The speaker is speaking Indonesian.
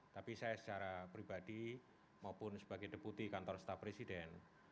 tapi saya secara pribadi maupun sebagai deputi kantor staf presiden